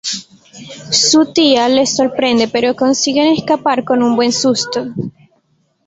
Su tía les sorprende pero consiguen escapar con un buen susto.